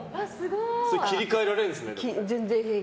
切り替えられるんですね。